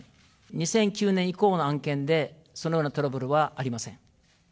２００９年以降の案件で、そのようなトラブルはありません。